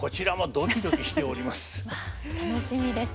楽しみです。